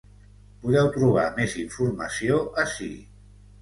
Podeu trobar més informació ací.